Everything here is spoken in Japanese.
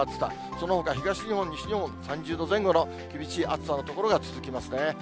そのほか東日本、西日本、３０度前後の厳しい暑さの所が続きますね。